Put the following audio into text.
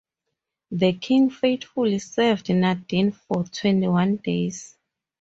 The king faithfully served Nandini for twenty-one days.